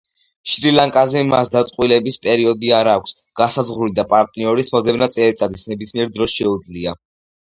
შრი-ლანკაზე მას დაწყვილების პერიოდი არ აქვს განსაზღვრული და პარტნიორის მოძებნა წელიწადის ნებისმიერ დროს შეუძლია.